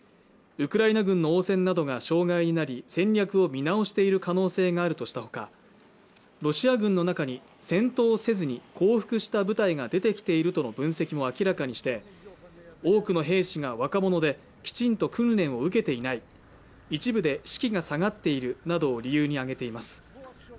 ウクライナ軍の応戦などが障害になり戦略を見直している可能性があるとしたほかロシア軍の中に戦闘せずに降伏した部隊が出てきているとの分析を明らかにして多くの兵士が若者できちんと訓練を受けていない一部で士気が下がっているなどを理由に挙げています